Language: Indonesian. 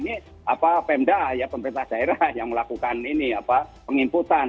ini apa pemda ya pemerintah daerah yang melakukan ini apa peng inputan